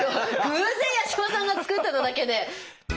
偶然八嶋さんがつけてただけで。